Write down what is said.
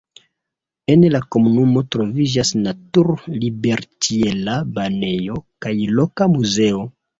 En la komunumo troviĝas natur-liberĉiela banejo kaj loka muzeo.